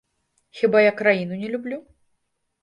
Хіба я краіну не люблю?